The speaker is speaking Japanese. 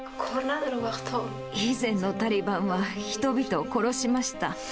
以前のタリバンは人々を殺しました。